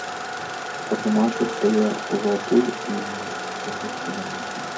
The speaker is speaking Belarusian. Патлумачыў, што я ўжо адтуль і гэта падарунак.